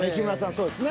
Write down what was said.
そうですね。